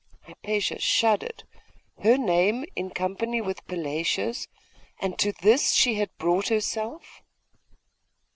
Hypatia shuddered. Her name in company with Pelagia's! And to this she had brought herself!